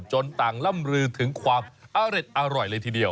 ต่างล่ำรือถึงความอร่อยเลยทีเดียว